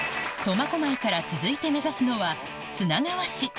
苫小牧から続いて目指すのは砂川市